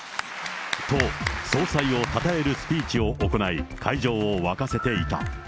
と、総裁をたたえるスピーチを行い、会場を沸かせていた。